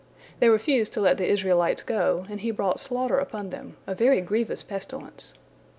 They refused to let the Israelites go, and He brought slaughter upon them, a very grievous pestilence.